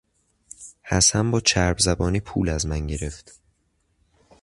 حسن با چربزبانی پول از من گرفت.